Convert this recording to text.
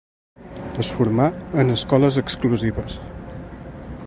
Es formà en escoles exclusives.